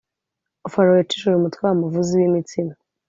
Farawo yacishije umutwe wa muvuzi w imitsima